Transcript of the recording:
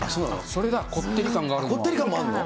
それだ、こってり感もあるの？